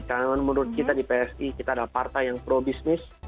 karena menurut kita di psi kita adalah partai yang pro bisnis